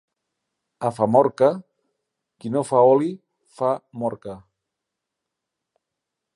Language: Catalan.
A Famorca, qui no fa oli fa morca.